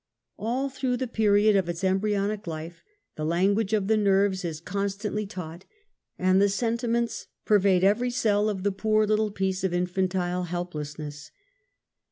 All through the period of its embryonic life the Language of the Nerves is constantly taught, and the sentiments pervade every cell of the poor little piece of infantile helplessness.